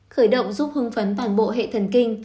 khởi động giúp hưng phấn toàn bộ hệ thần kinh